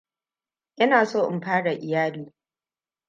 Ina so in fara iyali.